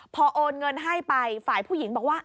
พอโอนเงินให้ไปฝ่ายผู้หญิงบอกว่า